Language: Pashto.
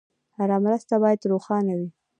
هره مرسته باید روښانه وي.